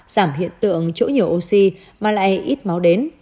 giảm hiện tượng chỗ nhiều oxy mà lại ít máu đến